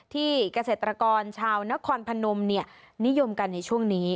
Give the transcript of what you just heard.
เกษตรกรชาวนครพนมนิยมกันในช่วงนี้